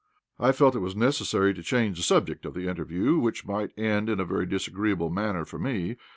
I felt it was necessary to change the subject of the interview, which might end in a very disagreeable manner for me.